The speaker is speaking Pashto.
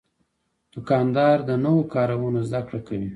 دوکاندار د نوو کارونو زدهکړه کوي.